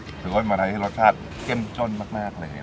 สิทธิ์คนออกมาไทยที่รสชาติเข้มจนมากเลยนะครับหอม